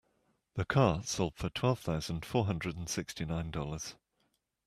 The car sold for twelve thousand four hundred and sixty nine Dollars.